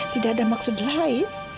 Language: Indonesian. tidak ada maksud lain